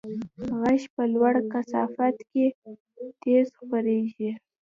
غږ په لوړه کثافت کې تېز خپرېږي.